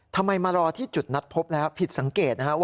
ทำไมมารอที่จุดนัดพบแล้วผิดสังเกตนะครับว่า